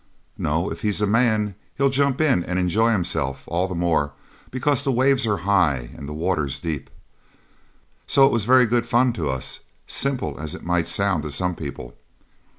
No, if he's a man he'll jump in and enjoy himself all the more because the waves are high and the waters deep. So it was very good fun to us, simple as it might sound to some people.